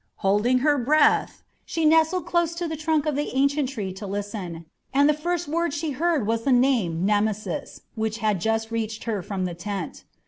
Holding her breath, she nestled close to the trunk of the ancient tree to listen, and the first word she heard was the name "Nemesis," which had just reached her from the tent.